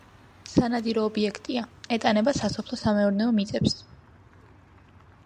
სანადირო ობიექტია, ეტანება სასოფლო-სამეურნეო მიწებს.